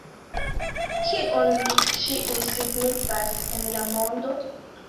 Kion vi ĉiuj signifas en la mondo?